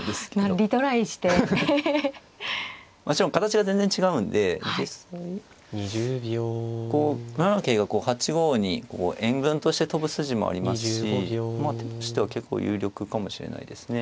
もちろん形が全然違うんでこう７七桂が８五にこう援軍として跳ぶ筋もありますしまあ手としては結構有力かもしれないですね。